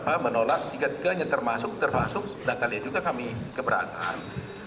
dan menolak tiga tiganya termasuk terpasuk dan kalian juga kami keberatan